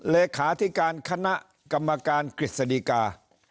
เลขาธิการคณะกรรมการกฤษฎีกา